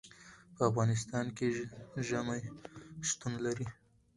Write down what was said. په افغانستان کې ژمی شتون لري.